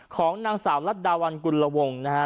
ของนางสาวรัดดาวันกุลวงนะฮะ